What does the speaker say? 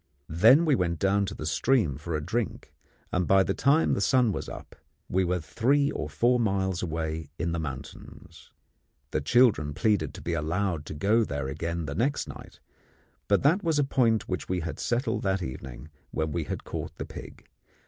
Then we went down to the stream for a drink, and by the time the sun was up we were three or four miles away in the mountains. The children pleaded to be allowed to go there again next night, but that was a point which we had settled that evening when we had caught the pig.